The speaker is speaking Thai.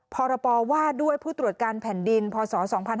พรปว่าด้วยผู้ตรวจการแผ่นดินพศ๒๕๕๙